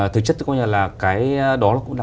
tính chất là cái đó cũng là